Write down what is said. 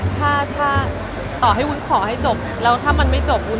ไม่คิดว่ามันจะเกิด